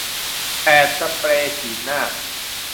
แปด สเปรย์ฉีดหน้า